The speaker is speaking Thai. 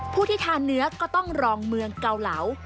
ที่ทานเนื้อก็ต้องรองเมืองเกาเหลา